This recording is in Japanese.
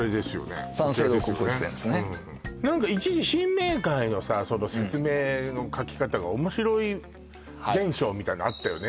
何か一時新明解のさ説明の書き方が面白い現象みたいなのあったよね